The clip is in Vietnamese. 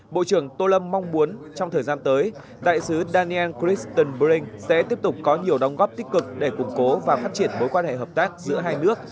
bộ trưởng tô lâm mong muốn trong thời gian tới đại sứ daniel christenbring sẽ tiếp tục có nhiều đóng góp tích cực để củng cố và phát triển mối quan hệ hợp tác giữa hai nước